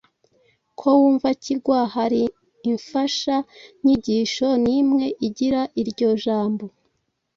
ko wumva kigwa hari infasha nyigisho nimwe igira iryo jambo